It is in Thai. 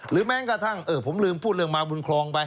แม้กระทั่งผมลืมพูดเรื่องมาบุญคลองไป